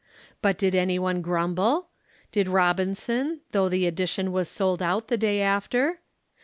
But did anyone grumble? Did Robinson, though the edition was sold out the day after?